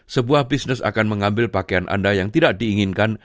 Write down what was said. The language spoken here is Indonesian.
sebuah bisnis akan mengambil pakaian anda yang tidak diinginkan